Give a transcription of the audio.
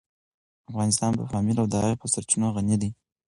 افغانستان په پامیر او د هغې په سرچینو غني دی.